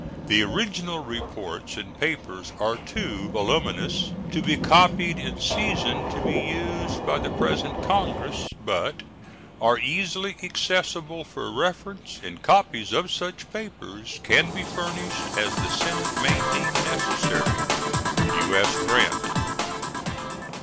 The original reports and papers are too voluminous to be copied in season to be used by the present Congress, but are easily accessible for reference, and copies of such papers can be furnished as the Senate may deem necessary. U.S. GRANT.